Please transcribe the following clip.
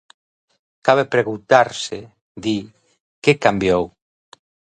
Cabe preguntarse, di, "que cambiou".